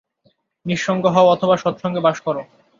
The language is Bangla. নিঃসঙ্গ হও, অথবা সৎসঙ্গে বাস কর।